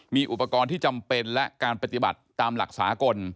มีอุปกรณ์ที่จำเป็นและการปฏิบัติตามหลักสากล